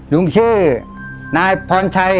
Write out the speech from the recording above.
ลุงชื่อนายพรชัย